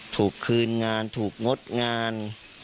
ถูกคืนงานถูกงดงาน